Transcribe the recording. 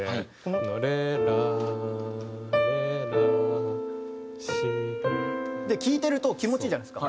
「レラレラシド」聴いてると気持ちいいじゃないですか。